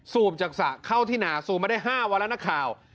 จากสระเข้าที่หนาสูบมาได้๕วันแล้วนักข่าว